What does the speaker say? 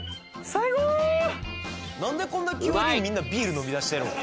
なんでこんな急にみんなビール飲みだしてるん？